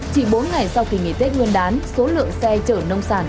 chỉ bốn ngày sau kỳ nghỉ tết nguyên đán số lượng xe chở nông sản